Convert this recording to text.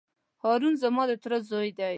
هارون زما د تره زوی دی.